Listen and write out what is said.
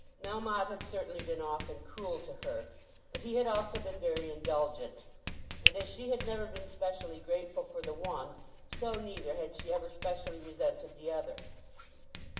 Melmotte had certainly been often cruel to her, but he had also been very indulgent. And as she had never been specially grateful for the one, so neither had she ever specially resented the other.